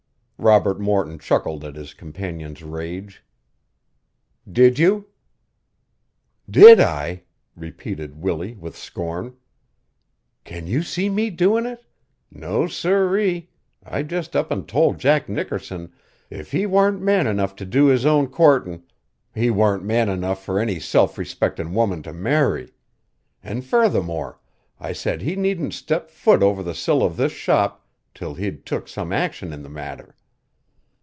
Robert Morton chuckled at his companion's rage. "Did you?" "Did I?" repeated Willie with scorn. "Can you see me doin' it? No, siree! I just up an' told Jack Nickerson if he warn't man enough to do his own courtin' he warn't man enough for any self respectin' woman to marry. An' furthermore, I said he needn't step foot over the sill of this shop 'till he'd took some action in the matter.